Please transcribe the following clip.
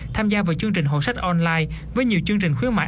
tham gia vào chương trình hội sách online với nhiều chương trình khuyến mại